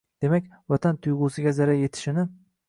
demak, vatan tuyg‘usiga zarar yetishini